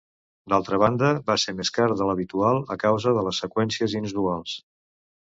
D'altra banda, va ser més car de l'habitual, a causa de les seqüències inusuals.